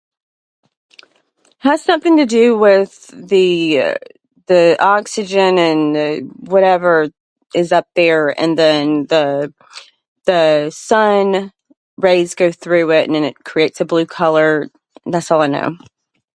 Has something to do with the the oxygen and, uh, whatever is up there and then the the sun rays go through it and then it creates a blue color. That's all I know.